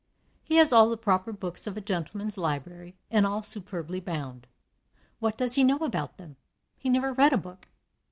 He has all the proper books of a gentleman's library, and all superbly bound. What does he know about them? He never read a book.